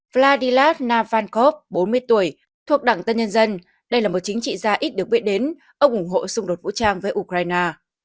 vladilat nafankov bốn mươi tuổi thuộc đảng tân nhân dân đây là một chính trị gia ít được biết đến ông ủng hộ xung đột vũ trang với ukraine